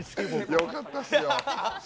よかったっすよ。